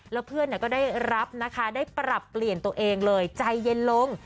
แล้วเพื่อนก็ได้รับนะคะได้ปรับเปลี่ยนตัวเองเลยใจเย็นลง